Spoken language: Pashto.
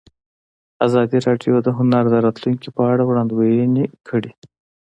ازادي راډیو د هنر د راتلونکې په اړه وړاندوینې کړې.